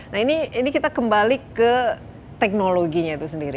nah ini kita kembali ke teknologinya itu sendiri